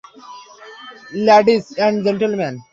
Ladies and gentleman!